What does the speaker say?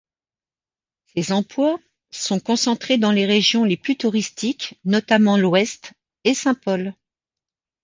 Ces emplois sont concentrés dans les régions les plus touristiques, notamment l'ouest et Saint-Paul.